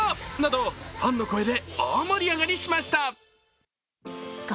ＳＮＳでは、ファンの声で大盛り上がりしました。